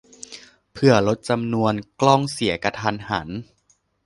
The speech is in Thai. เผื่อลดจำนวน "กล้องเสียกะทันหัน"